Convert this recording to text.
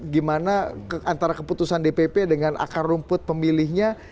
gimana antara keputusan dpp dengan akar rumput pemilihnya